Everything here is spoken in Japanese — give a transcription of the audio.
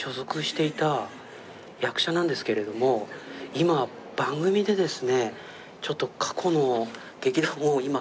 今番組でですね